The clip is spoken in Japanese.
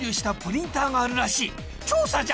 調査じゃ！